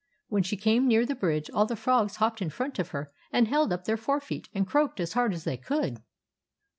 When she came near the bridge all the frogs hopped in front of her and held up their fore feet and croaked as hard as they could.